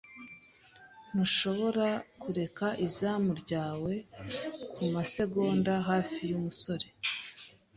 Ntushobora kureka izamu ryawe kumasegonda hafi yumusore.